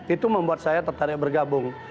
itu membuat saya tertarik bergabung